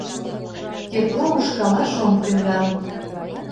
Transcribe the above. Тетла ушкалаш ом тӱҥал.